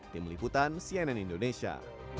tim liputan cnn indonesia